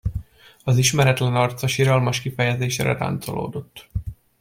Az ismeretlen arca siralmas kifejezésre ráncolódott.